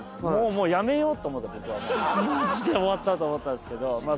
もう辞めようと思った僕はまじで終わったと思ったんですがまあ